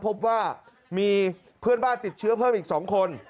พบว่ามีเพื่อนบ้านติดเชื้อเพิ่มอีก๒คน